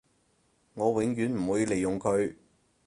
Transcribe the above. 我永遠唔會利用佢